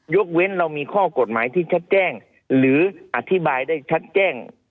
ยกเว้นเรามีข้อกฎหมายที่ชัดแจ้งหรืออธิบายได้ชัดแจ้ง